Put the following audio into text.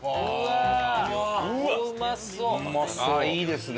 ああいいですね。